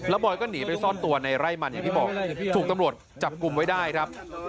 บอยก็หนีไปซ่อนตัวในไร่มันอย่างที่บอกถูกตำรวจจับกลุ่มไว้ได้ครับ